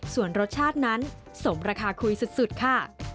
ส่วนรสชาตินั้นสมราคาคุยสุดค่ะ